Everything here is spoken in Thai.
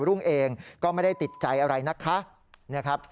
นั่นเป็น๑คำถามที่เราตอบให้คุณผู้ชมแล้วนะครับ